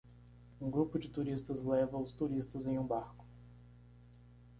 Um grupo de turistas leva os turistas em um barco.